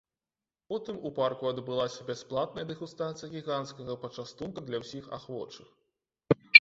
Потым у парку адбылася бясплатная дэгустацыя гіганцкага пачастунка для ўсіх ахвочых.